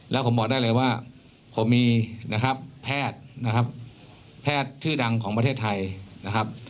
และผมบอกได้เลยว่าผมมีแพทย์แพทย์ชื่อดังของประเทศไทย